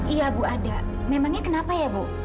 iya bu ada memangnya kenapa ya bu